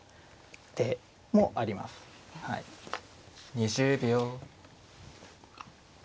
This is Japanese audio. ２０秒。